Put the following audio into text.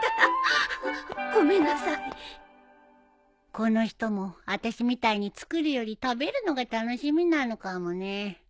この人もあたしみたいに作るより食べるのが楽しみなのかもね